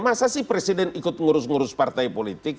masa sih presiden ikut ngurus ngurus partai politik